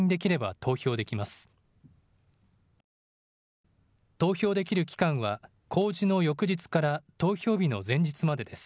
投票できる期間は公示の翌日から投票日の前日までです。